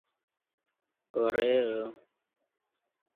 orelo